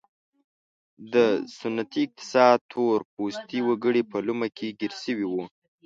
د سنتي اقتصاد تور پوستي وګړي په لومه کې ګیر شوي وو.